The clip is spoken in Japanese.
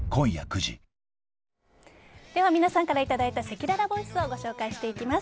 では皆さんからいただいたせきららボイスをご紹介していきます。